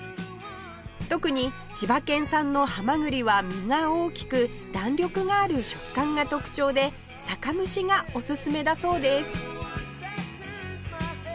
特に千葉県産のハマグリは身が大きく弾力がある食感が特徴で酒蒸しがおすすめだそうです